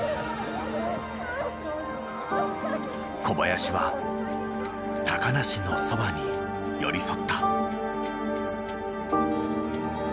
小林は梨のそばに寄り添った。